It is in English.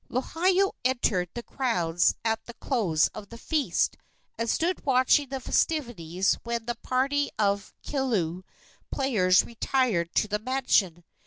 Lohiau entered the grounds at the close of the feast, and stood watching the festivities when the party of kilu players retired to the mansion.